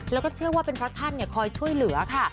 แล้วก็เชื่อว่าเป็นพระท่านคอยช่วยเหลือค่ะ